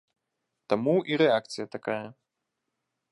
Таму і рэакцыя такая.